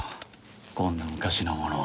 こんな昔のもの。